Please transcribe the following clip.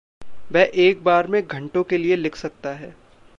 वह एक बार में घंटो के लिए लिख सकता है।